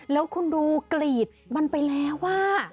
แล้วคุณดูกรีดมันไปแล้วว่า